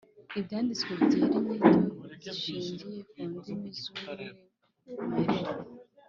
Ibyanditswe Byera inyito zishingiye ku ndimi z umwimerere